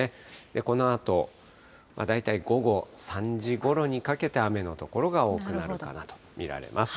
このあと、大体午後３時ごろにかけて雨の所が多くなるかなと見られます。